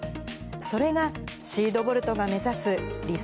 それがシードボルトが目指す理想